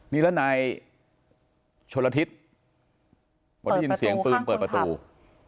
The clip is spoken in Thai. นี่ละนายชวนละทิศปลดยินเสียงปืนเปิดประตูข้างคุณครับ